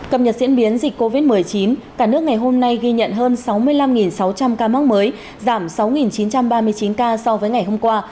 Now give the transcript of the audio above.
cập nhật diễn biến dịch covid một mươi chín cả nước ngày hôm nay ghi nhận hơn sáu mươi năm sáu trăm linh ca mắc mới giảm sáu chín trăm ba mươi chín ca so với ngày hôm qua